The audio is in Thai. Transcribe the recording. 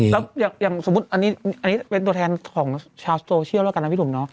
แล้วอย่างสมมุติอันนี้เป็นตัวแทนของชาวโซเชียลแล้วกันนะพี่หนุ่มเนาะ